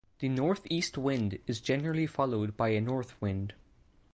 The northeast wind is generally followed by a north wind.